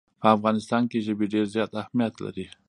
په افغانستان کې ژبې ډېر زیات اهمیت لري.